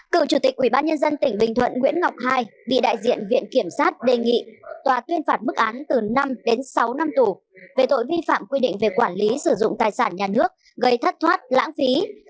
cựu chủ tịch ubnd tỉnh bình thuận nguyễn ngọc hai bị đại diện viện kiểm sát đề nghị tòa tuyên phạt mức án từ năm đến sáu năm tù về tội vi phạm quy định về quản lý sử dụng tài sản nhà nước gây thất thoát lãng phí